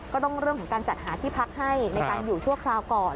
เรื่องของการจัดหาที่พักให้ในการอยู่ชั่วคราวก่อน